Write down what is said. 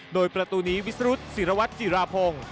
โดยประตูนี้วิสรุศศิรวรรษจิราโพง